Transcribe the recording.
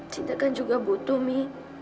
cinta kan juga butuh mi